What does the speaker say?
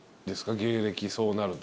芸歴そうなると。